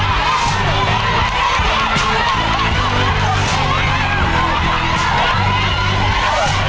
ที่นี้ขอบคุณทุกคนแล้วกันครับ